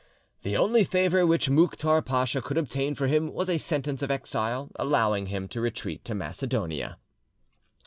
The only favour which Mouktar Pacha could obtain for him was a sentence of exile allowing him to retreat to Macedonia.